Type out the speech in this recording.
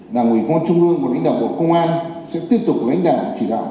đảng ủy công an trung ương và lãnh đạo bộ công an sẽ tiếp tục lãnh đạo chỉ đạo